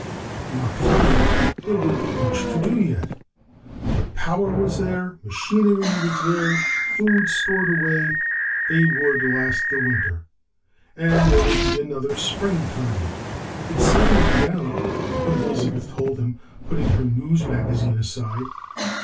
Not fully there would be much to do yet. But power was there, machinery was there, food stored away; they would last the winter, and there would be another springtime. "It's settling down," Elizabeth told him, putting her news magazine aside.